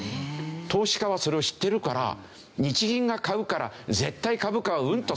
投資家はそれを知っているから日銀が買うから絶対株価はうんと下がらないよね。